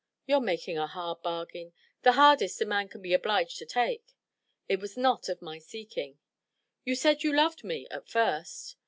"You're making a hard bargain the hardest a man can be obliged to take." "It was not of my seeking." "You said you loved me at first."